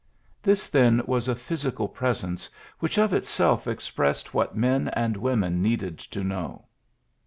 This, then, was a physi cal presence which of itself expressed what men and women needed to know.